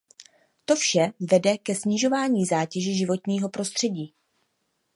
To vše vede ke snižování zátěže životního prostředí.